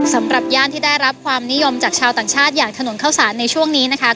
สำหรับย่านที่ได้รับความนิยมจากชาวต่างชาติอย่างถนนเข้าสารในช่วงนี้นะคะ